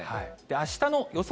あしたの予想